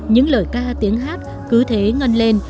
những lời ca tiếng hát cứ thế ngân lên